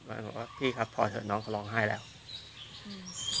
บอกว่าพี่ครับพอเถอะน้องเขาร้องไห้แล้วอืม